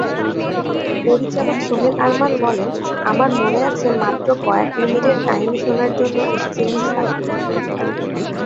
পরিচালক সোহেল আরমান বলেন, ‘‘আমার মনে আছে, মাত্র কয়েক মিনিটের জন্য কাহিনী শোনার জন্য এসেছিলেন শাকিব।